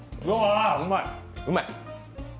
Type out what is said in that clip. あ、うまい。